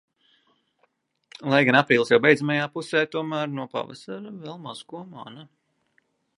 Lai gan aprīlis jau beidzamajā pusē, tomēr no pavasara vēl maz ko mana.